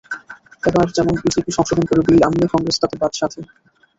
এবার যেমন বিজেপি সংশোধন করে বিল আনলে কংগ্রেস তাতে বাদ সাধে।